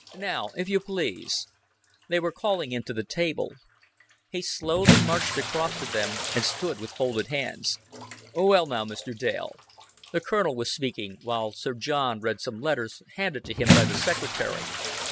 "Now, if you please." They were calling him to the table. He slowly marched across to them, and stood with folded hands. "Well now, Mr. Dale." The Colonel was speaking, while Sir John read some letters handed to him by the secretary.